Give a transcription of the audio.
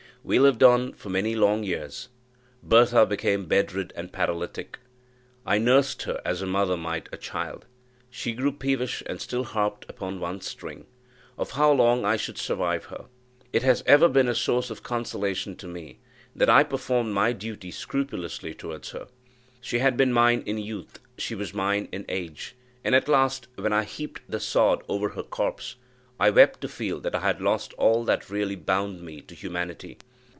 We lived on for many long years. Bertha became bedrid and paralytic; I nursed her as a mother might a child. She grew peevish, and still harped upon one string of how long I should survive her. It has ever been a source of consolation to me, that I performed my duty scrupulously towards her. She had been mine in youth, she was mine in age; and at last, when I heaped the sod over her corpse, I wept to feel that I had lost all that really bound me to humanity.